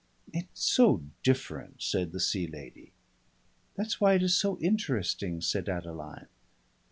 "It's so different," said the Sea Lady. "That's why it is so interesting," said Adeline.